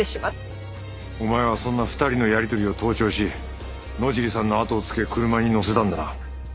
お前はそんな２人のやり取りを盗聴し野尻さんのあとをつけ車に乗せたんだな？